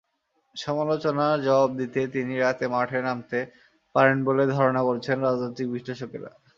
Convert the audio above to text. সমালোচনার জবাব দিতে তিনি মাঠে নামতে পারেন বলে ধারণা করছেন রাজনৈতিক বিশ্লেষকেরা।